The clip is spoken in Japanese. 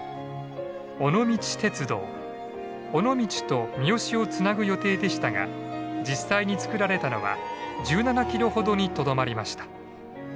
尾道と三次をつなぐ予定でしたが実際に造られたのは１７キロほどにとどまりました。